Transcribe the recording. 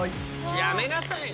やめなさいよ